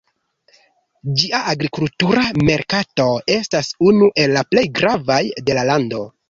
Ĝia agrikultura merkato estas unu el la plej gravaj de la lando.